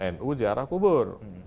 nu ziarah kubur